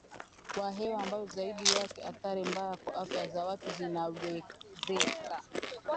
wa hewa ambayo zaidi yake athari mbaya kwa afya za watu zinawezeka